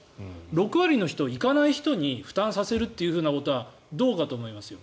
６割の人、行かない人に負担させるということはどうかと思いますよ。